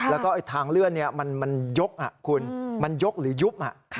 แล้วก็ทางเลื่อนมันยกคุณมันยกหรือยุบ